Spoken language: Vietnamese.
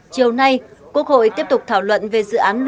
chiều nay quốc hội tiếp tục thảo luận về dự án